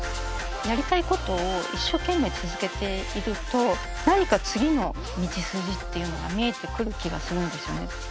やりたいことを一生懸命続けていると何か次の道筋っていうのが見えてくる気がするんですよね。